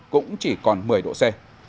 chỉ còn một mươi độ c